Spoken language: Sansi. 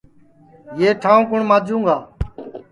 یو ٹھانٚو کُوٹؔ ماجوں گا